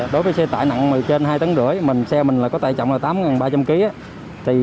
đối với xe tải nặng trên hai tấn rưỡi xe mình có tải trọng tám ba trăm linh kg